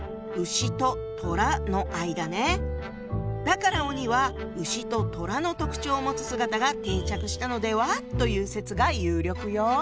だから鬼はうしととらの特徴を持つ姿が定着したのでは？という説が有力よ。